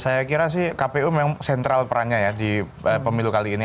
saya kira sih kpu memang sentral perannya ya di pemilu kali ini